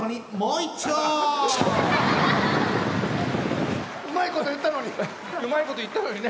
うまいこと言ったのに。